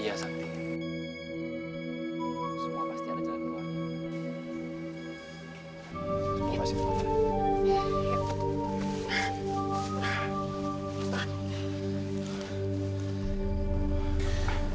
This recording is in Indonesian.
semua pasti ada jalan keluar